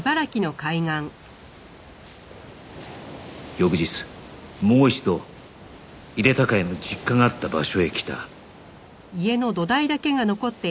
翌日もう一度井手孝也の実家があった場所へ来た